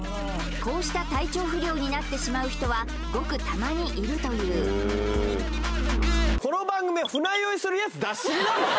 こうした体調不良になってしまう人はごくたまにいるというこの番組は船酔いするやつ出しすぎだぞ